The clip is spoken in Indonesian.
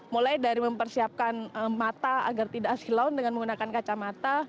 mulai dari mempersiapkan mata agar tidak silaun dengan menggunakan kacamata